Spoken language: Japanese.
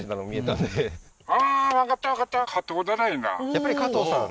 やっぱり加藤さん？